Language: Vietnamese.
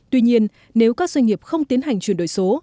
tuy nhiên nếu các doanh nghiệp không tiến hành chuyển đổi số